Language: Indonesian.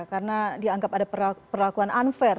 karena dianggap ada perlakuan unfair